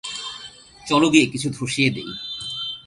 চলো গিয়ে কিছু ধসিয়ে দেই।